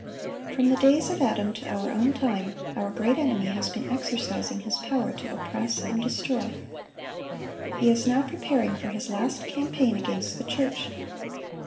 (896) From the days of Adam to our own time, our great enemy has been exercising his power to oppress and destroy. He is now preparing for his last campaign against the church.